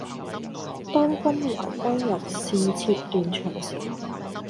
當君懷歸日，是妾斷腸時